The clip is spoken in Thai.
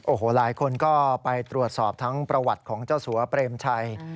โอ้โหหลายคนก็ไปตรวจสอบทั้งประวัติของเจ้าสัวเปรมชัย